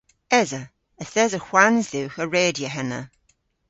Esa. Yth esa hwans dhywgh a redya henna.